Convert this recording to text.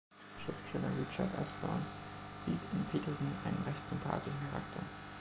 Schriftsteller Richard Usborne sieht in Peterson einen recht sympathischen Charakter.